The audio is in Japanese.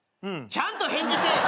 ちゃんと返事せえよ！